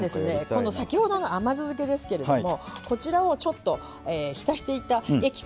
先ほどの甘酢漬けですけれどもこちらを浸していた液から。